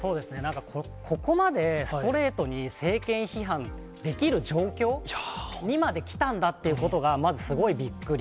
ここまでストレートに政権批判できる状況にまで来たんだっていうことが、まずすごいびっくり。